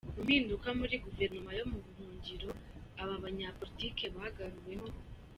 Mu mpinduka muri guverinoma yo mu buhungiro aba banyapolitiki bagaruwemo